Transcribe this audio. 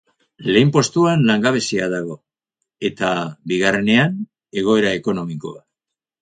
Lehen postuan langabezia dago eta bigarrenean, egoera ekonomikoa.